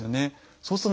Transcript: そうなると。